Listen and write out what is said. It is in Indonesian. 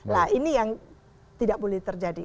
nah ini yang tidak boleh terjadi